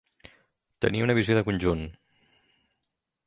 Tenir una visió de conjunt.